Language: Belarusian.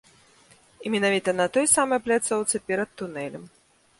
І менавіта на той самай пляцоўцы перад тунэлем.